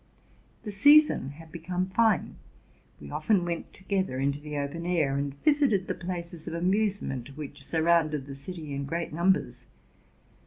The season had become fine: we often went together into the open air, and visited the places of amusement which surrounded the city in great numbers.